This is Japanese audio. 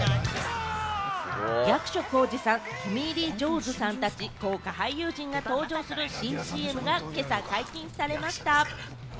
役所広司さん、トミー・リー・ジョーンズさんたち、豪華俳優陣が登場する新ＣＭが今朝解禁されました。